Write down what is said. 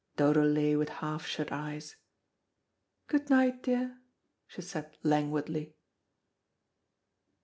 Dodo lay with half shut eyes. "Good night, dear," she said languidly.